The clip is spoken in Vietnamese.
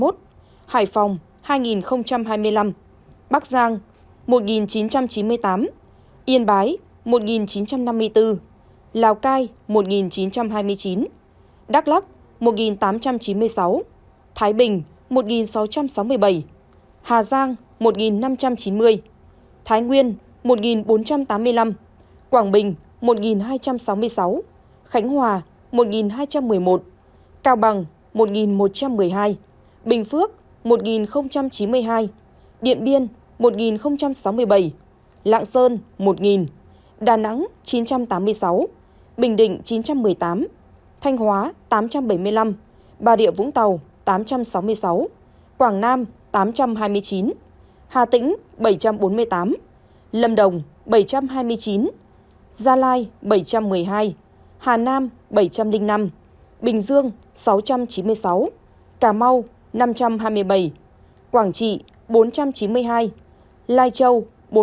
đà nẵng chín trăm tám mươi sáu bình định chín trăm một mươi tám thanh hóa tám trăm bảy mươi năm bà địa vũng tàu tám trăm sáu mươi sáu quảng nam tám trăm hai mươi chín hà tĩnh bảy trăm bốn mươi tám lâm đồng bảy trăm hai mươi chín gia lai bảy trăm một mươi hai hà nam bảy trăm linh năm bình dương sáu trăm chín mươi sáu cà mau năm trăm hai mươi bảy quảng trị bốn trăm chín mươi hai lai châu bốn trăm bảy mươi năm